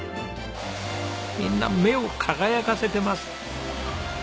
みんな目を輝かせてます。